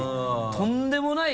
とんでもない。